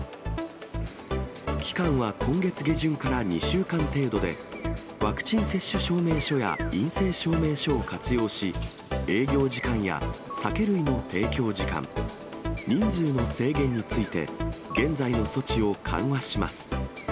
期間は今月下旬から２週間程度で、ワクチン接種証明書や陰性証明書を活用し、営業時間や酒類の提供時間、人数の制限について、現在の措置を緩和します。